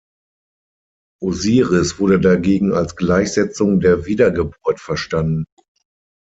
Osiris wurde dagegen als Gleichsetzung der Wiedergeburt verstanden.